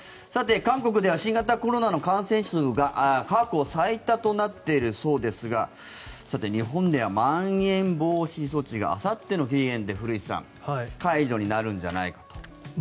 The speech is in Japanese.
韓国では新型コロナの感染者数が過去最多となっているそうですが日本ではまん延防止措置があさっての期限で古市さん解除になるんじゃないかと。